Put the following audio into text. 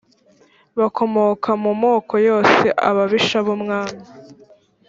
bakomoka mu moko yose ababisha b umwami